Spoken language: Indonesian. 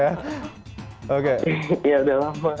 ya sudah lama